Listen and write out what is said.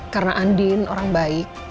karena andin orang baik